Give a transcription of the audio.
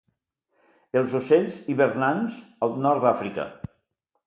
Els ocells hivernants al nord d'Àfrica.